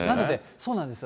そうなんですよ。